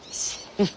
うん。